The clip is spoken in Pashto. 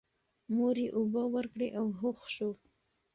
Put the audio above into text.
مور یې اوبه ورکړې او هوښ شو.